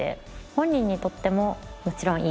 本人にとってももちろんいい出会い。